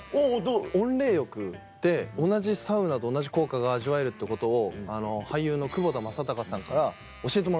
温冷浴ってサウナと同じ効果が味わえるってことを俳優の窪田正孝さんから教えてもらったんですよ。